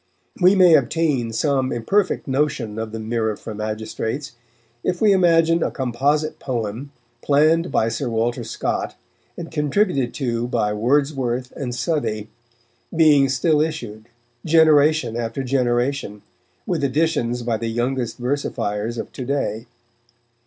We may obtain some imperfect notion of the Mirror for Magistrates if we imagine a composite poem planned by Sir Walter Scott, and contributed to by Wordsworth and Southey, being still issued, generation after generation, with additions by the youngest versifiers of to day.